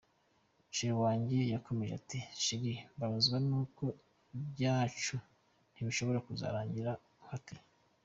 Sheri wanjye yarakomeje ati “Sheri, mbabazwa n’uko ibyacu bishobora kuzarangira unkatiye.